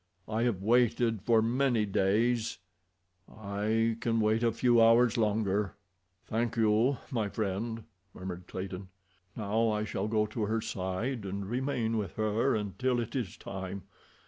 I have waited for many days—I can wait a few hours longer." "Thank you, my friend," murmured Clayton. "Now I shall go to her side and remain with her until it is time.